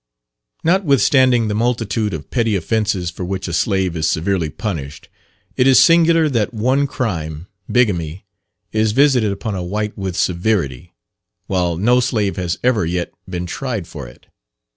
Notwithstanding the multitude of petty offences for which a slave is severely punished, it is singular that one crime bigamy is visited upon a white with severity, while no slave has ever yet been tried for it.